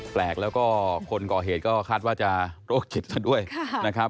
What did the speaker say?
แปลกแล้วก็คนก่อเหตุก็คาดว่าจะโรคจิตซะด้วยนะครับ